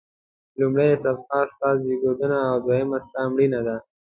لومړۍ صفحه ستا زیږېدنه او دوهمه ستا مړینه ده.